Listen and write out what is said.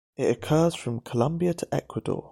It occurs from Colombia to Ecuador.